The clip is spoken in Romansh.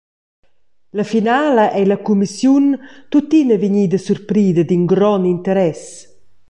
La finala ei la cumissiun tuttina vegnida surprida d’in grond interess.